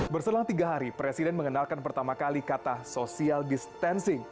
berselang tiga hari presiden mengenalkan pertama kali kata social distancing